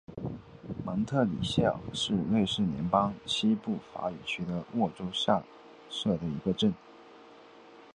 蒙特里谢尔是瑞士联邦西部法语区的沃州下设的一个镇。